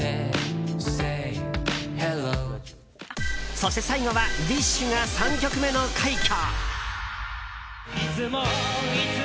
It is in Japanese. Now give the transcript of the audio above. そして、最後はＤＩＳＨ／／が３曲目の快挙。